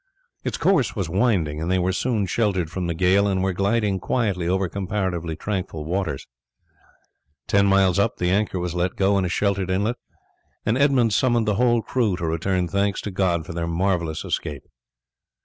Its course was winding and they were soon sheltered from the gale and were gliding quietly over comparatively tranquil water. Ten miles up the anchor was let go in a sheltered inlet, and Edmund summoned the whole crew to return thanks to God for their marvellous escape.